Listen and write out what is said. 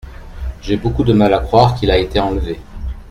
J’ai beaucoup de mal à croire qu’il a été enlevé.